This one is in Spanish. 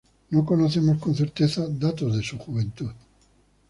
No conocemos con certeza datos de su juventud.